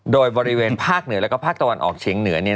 โดยบริเวณภาคเหนือและภาคตะวันออกเฉียงเหนือ